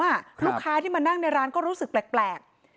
ลูกค้าที่มานั่งในร้านก็รู้สึกแปลก